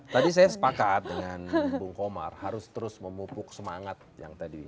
tadi saya sepakat dengan bung komar harus terus memupuk semangat yang tadi